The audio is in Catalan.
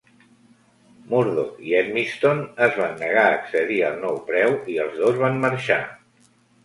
Murdoch i Edmiston es van negar a accedir al nou preu i els dos van marxar.